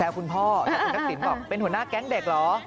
แล้วคุณทักษิณบอกเป็นหัวหน้าแก๊งเด็กเหรอ